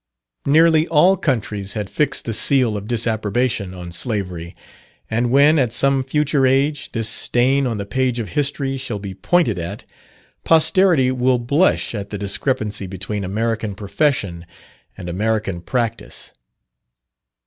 Nearly all countries had fixed the seal of disapprobation on slavery, and when, at some future age, this stain on the page of history shall be pointed at, posterity will blush at the discrepancy between American profession and American practice.